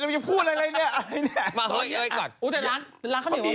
อย่าพูดอะไรเลยเนี่ย